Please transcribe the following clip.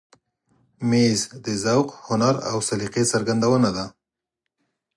مېز د ذوق، هنر او سلیقې څرګندونه ده.